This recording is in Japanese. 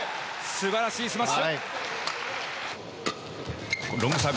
素晴らしいスマッシュ！